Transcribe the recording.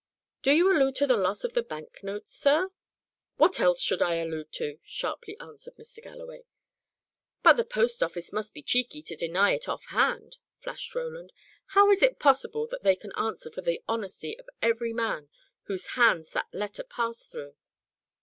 "Do you allude to the loss of the bank note, sir?" "What else should I allude to?" sharply answered Mr. Galloway. "But the post office must be cheeky to deny it off hand!" flashed Roland. "How is it possible that they can answer for the honesty of every man whose hands that letter passed through?"